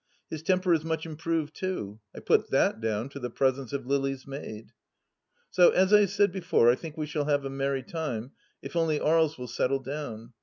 His temper is much improved too ; I put that down to the presence of Lily's maid. So, as I said before, I think we shall have a merry time, if only Aries will settle down.